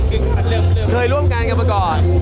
เคยร่วมงานกันมาก่อน